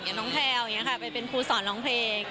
น้องแพลวอย่างนี้ค่ะไปเป็นครูสอนร้องเพลง